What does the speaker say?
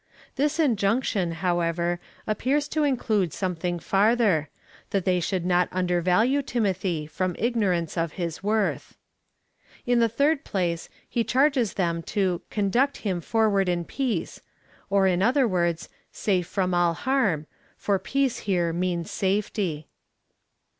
This injunction, however, ap pears to include something farther, that they should not undervalue Timothy, from ignorance of his worth. In the third place, he charges them to conduct him for ward in peace, or, in other words, safe from all harm, for peace here means safety.